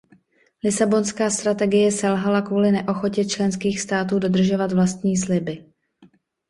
Lisabonská strategie selhala kvůli neochotě členských států dodržovat vlastní sliby.